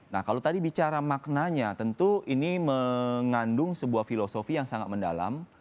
nah kalau tadi bicara maknanya tentu ini mengandung sebuah filosofi yang sangat mendalam